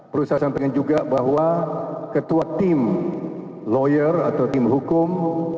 perusahaan pengen juga bahwa ketua tim lawyer atau tim hukum